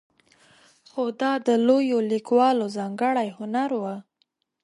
خو دا د لویو لیکوالو ځانګړی هنر وي.